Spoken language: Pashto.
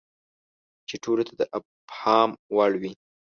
چې ټولو ته د افهام وړ وي.